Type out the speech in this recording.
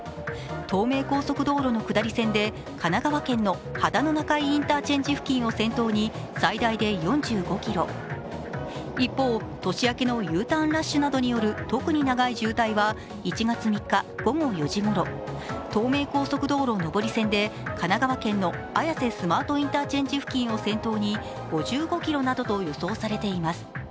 東名高速道路の下り線で神奈川県の秦野中井インターチェンジ付近を先頭に最大で４５ｋｍ一方、年明けのＵターンラッシュなどによる特に長い渋滞は１月３日午後４時ごろ、透明高速道路上り線で神奈川県の綾瀬スマートインターチェンジ付近を先頭に５５ｋｍなどと予想されています。